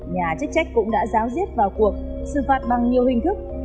nhà chức trách cũng đã giáo diết vào cuộc xử phạt bằng nhiều hình thức